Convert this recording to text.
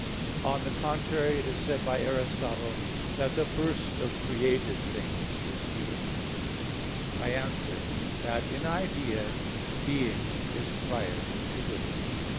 On the contrary, It is said by Aristotle (De Causis) that "the first of created things is being." I answer that, In idea being is prior to goodness.